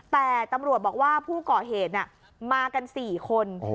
แต่ตำรวจบอกว่าผู้ก่อเหตุมากัน๔คน